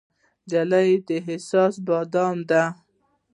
نجلۍ د احساس بادام ده.